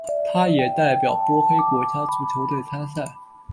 他也代表波黑国家足球队参赛。